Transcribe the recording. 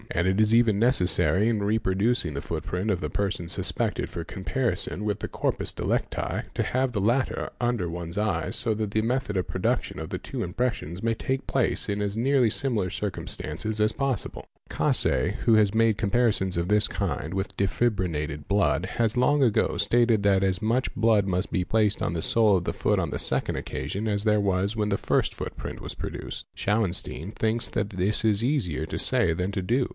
And it is even necessary in reproducing the footprint of the person suspected for comparison with the corpus delicti to have the latter under one's eyes so that the method of production of the two impressions may take place in as nearly similar circumstances as possible, Caussée, OBSERVATION OF FOOTPRINTS 499 who has made comparisons of this kind with defibrinated blood, has long ago stated that as much blood must be placed on the sole of the foot on the second occasion as there was when the first footprint was produced. Schauenstein thinks that this is easier to say than to do.